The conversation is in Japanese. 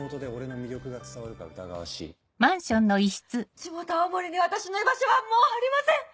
地元青森に私の居場所はもうありません！